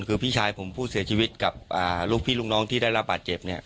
คือพี่ชายผมผู้เสียชีวิตกับลูกพี่ลูกน้องที่ได้รับบาดเจ็บ